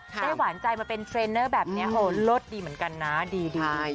ได้หวานใจมาเป็นเทรนเนอร์แบบนี้โอ้เลิศดีเหมือนกันนะดี